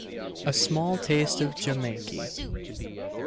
A SMALL TASTE OF JIMAKEY.